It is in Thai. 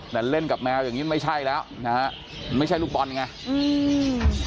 แต่เล่นกับแมวอย่างงี้ไม่ใช่แล้วนะฮะมันไม่ใช่ลูกบอลไงอืม